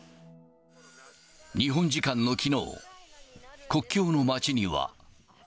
日本時間のきのう、国境の町には。